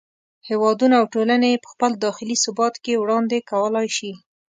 هېوادونه او ټولنې یې په خپل داخلي ثبات کې وړاندې کولای شي.